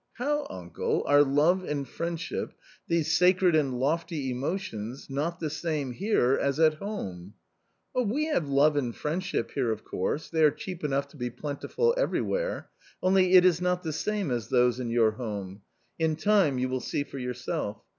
" How, uncle, are love and friendship — these sacred and lofty emotions, not the same here as at home ?"" We have love and friendship here of course — they are cheap enough to be plentiful everywhere ; only it is not the same as those in your home ; in time you will see for yourself.